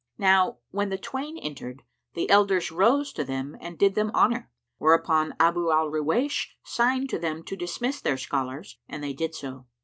Now when the twain entered, the elders rose to them and did them honour; whereupon Abu al Ruwaysh signed to them to dismiss their scholars and they did so.